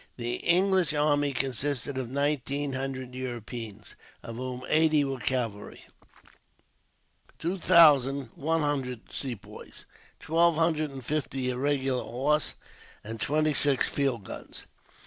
The English army consisted of nineteen hundred Europeans, of whom eighty were cavalry, two thousand one hundred Sepoys, twelve hundred and fifty irregular horse, and twenty six field guns.